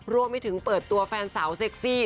รวมไปถึงเปิดตัวแฟนสาวเซ็กซี่